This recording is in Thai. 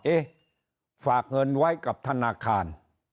เอ๊ะฝากเงินไว้กับธนาคาร